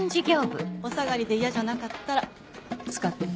お下がりで嫌じゃなかったら使って。